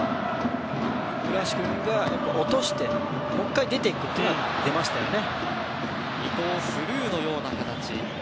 古橋君が落としてもう１回出て行くというのが出ましたよね。